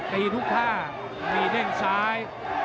ตีทุกท่ามีเด้งซ้าย